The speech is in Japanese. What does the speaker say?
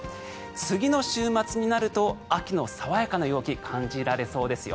次の週末になると秋の爽やかな陽気感じられそうですよ。